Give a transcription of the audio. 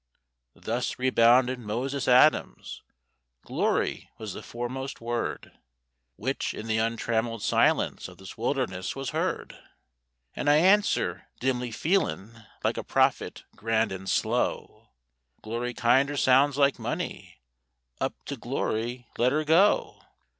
Thus rebounded Moses Adams: "Glory was the foremost word Which in the untrammelled silence of this wilderness was heard, And I arnswer, dimly feelin' like a prophet, grand and slow, 'Glory kinder sounds like Money—up to glory let her go!